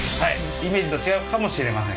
イメージと違うかもしれません。